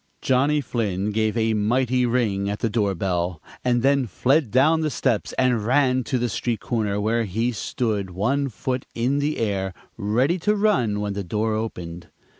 Johnny Flynn gave a mighty ring at the door bell, and then fled down the steps and ran to the street corner, where he stood, one foot in the air, ready to run when the door opened.